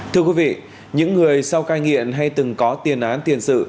thưa quý vị những người sau cai nghiện hay từng có tiền án tiền sự